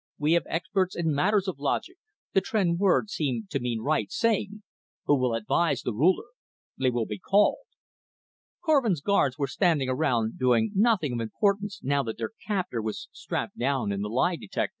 We have experts in matters of logic" the Tr'en word seemed to mean right saying "who will advise the Ruler. They will be called." Korvin's guards were standing around doing nothing of importance now that their captor was strapped down in the lie detector.